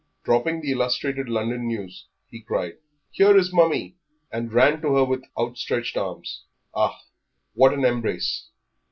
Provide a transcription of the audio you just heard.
Dropping the Illustrated London News, he cried, "Here is Mummie," and ran to her with outstretched arms. Ah, what an embrace!